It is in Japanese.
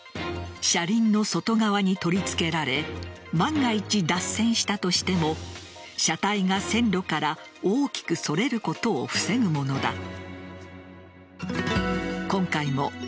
車輪の外側に取り付けられ万が一、脱線したとしても車体が線路から大きくそれることを防ぐものだ。